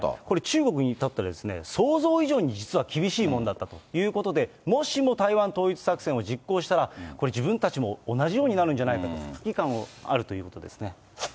これ、中国に至っては想像以上に実は厳しいものだったということで、もしも台湾統一作戦を実行したら、これ、自分たちも同じようになるんじゃないかと、危機感があるということですね。